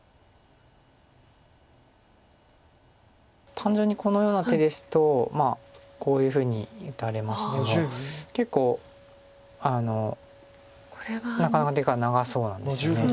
単純にこのような手ですとこういうふうに打たれましても結構なかなか手が長そうなんですよね。